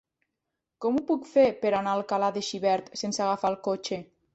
Com ho puc fer per anar a Alcalà de Xivert sense agafar el cotxe?